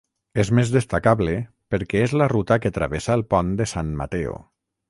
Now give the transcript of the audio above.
És més destacable perquè és la ruta que travessa el pont de San Mateo.